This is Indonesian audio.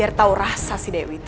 biar tau rasa si dewi itu